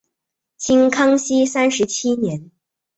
清康熙三十七年。